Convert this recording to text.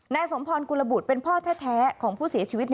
สมพรกุลบุตรเป็นพ่อแท้ของผู้เสียชีวิต